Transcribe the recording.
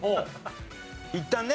いったんね。